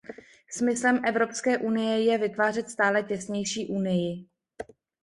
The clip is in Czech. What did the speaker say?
Smyslem Evropské unie je vytvářet stále těsnější unii.